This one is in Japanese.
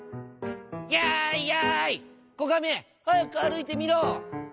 「やいやいこがめはやくあるいてみろ！」。